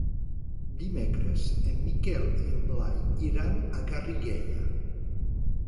Dimecres en Miquel i en Blai iran a Garriguella.